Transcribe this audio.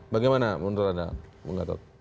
bagaimana menurut anda